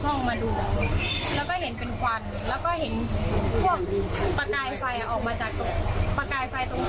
หรือแก้วหรือจานแตก